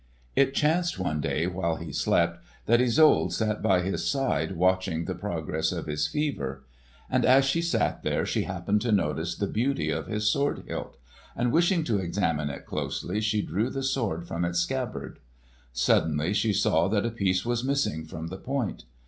It chanced one day while he slept, that Isolde sat by his side watching the progress of his fever. And as she sat there she happened to notice the beauty of his sword hilt, and wishing to examine it closely she drew the sword from its scabbard. Suddenly she saw that a piece was missing from the point.